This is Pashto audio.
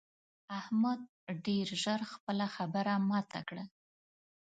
احمد ډېر ژر خپله خبره ماته کړه.